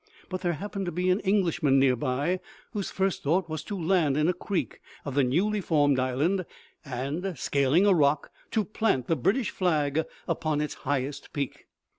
But there happened to be an English man nearby, whose first thought was to land in a creek of the newly formed island, and scaling a rock, to plant the British flag upon its highest peak.